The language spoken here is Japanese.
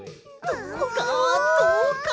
どうかどうか。